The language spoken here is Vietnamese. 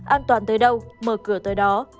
an toàn tới đâu mở cửa tới đó